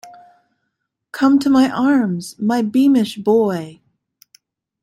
Come to my arms, my beamish boy!